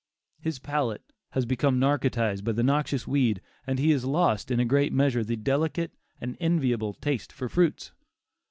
His palate has become narcotized by the noxious weed, and he has lost, in a great measure, the delicate and enviable taste for fruits.